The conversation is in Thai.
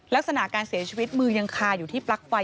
ลักษณะการเสียชีวิตมือยังคาอยู่ที่ปลั๊กไฟ